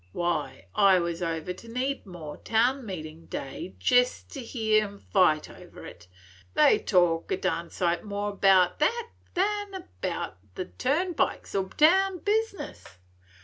Why, I was over to Needmore town meetin' day jest to hear 'em fight over it; they talked a darned sight more 'bout that than 'bout the turnpikes or town business.